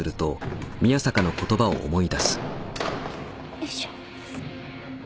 よいしょ。